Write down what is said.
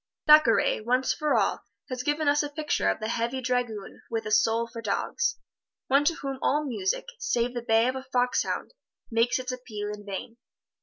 Thackeray, once for all, has given us a picture of the heavy dragoon with a soul for dogs one to whom all music, save the bay of a fox hound, makes its appeal in vain.